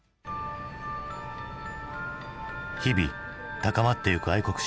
日々高まってゆく愛国心。